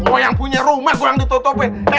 gua yang punya rumah gua yang ditutupin